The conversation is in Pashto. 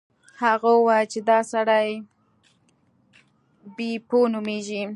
هغه وویل چې دا سړی بیپو نومیږي.